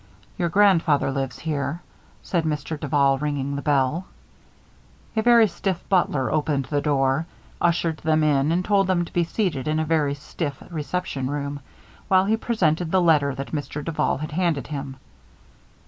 "Your grandfather lives here," said Mr. Duval, ringing the bell. A very stiff butler opened the door, ushered them in, and told them to be seated in a very stiff reception room, while he presented the letter that Mr. Duval had handed him.